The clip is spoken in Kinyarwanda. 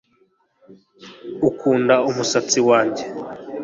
Ukunda umusatsi wanjye